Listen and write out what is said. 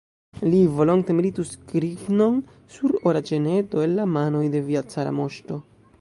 Li volonte meritus grivnon sur ora ĉeneto el la manoj de via cara moŝto.